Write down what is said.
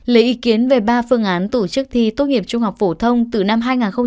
lấy ý kiến về ba phương án tổ chức thi tốt nghiệp trung học phổ thông từ năm hai nghìn hai mươi năm